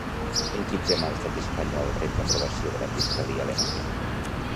En quin tema l'estat espanyol rep l'aprovació de la fiscalia alemanya?